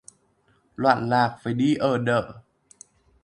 Loạn lạc phải đi ở đợ